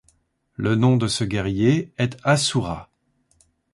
Le nom de ce guerrier est Asura.